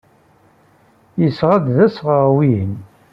Ɣseɣ ad d-sɣeɣ wihin.